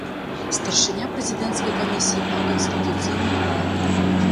Старшыня прэзідэнцкай камісіі па канстытуцыйным праве.